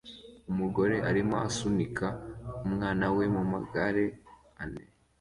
Umugore arimo asunika umwana we mumagare ane